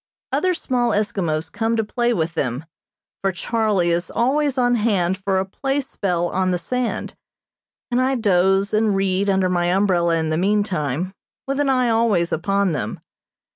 Other small Eskimos come to play with them, for Charlie is always on hand for a play spell on the sand, and I doze and read under my umbrella in the meantime, with an eye always upon them.